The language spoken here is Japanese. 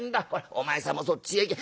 お前さんもそっちへ行け。